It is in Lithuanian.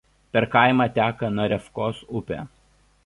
Per kaimą teka Narevkos upė.